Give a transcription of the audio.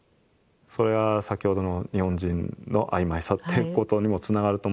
それが先ほどの日本人の曖昧さってことにもつながると思うんですけど。